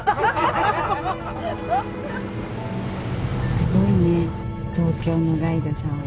すごいね東京のガイドさんは。